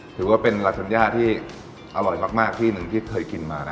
ถือว่าเป็นราชัญญาที่อร่อยมากที่หนึ่งที่เคยกินมานะ